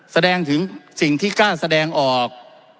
แสดงถึงสิ่งที่กล้าแสดงออก